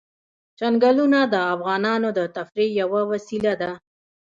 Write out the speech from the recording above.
چنګلونه د افغانانو د تفریح یوه وسیله ده.